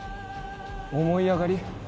思い上がり？